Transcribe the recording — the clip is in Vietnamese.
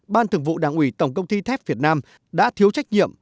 ban thường vụ đảng ủy tổng công ty thép việt nam đã thiếu trách nhiệm